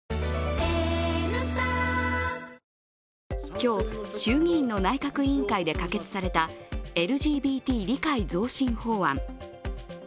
今日、衆議院の内閣委員会で可決されたＬＧＢＴ理解増進法案。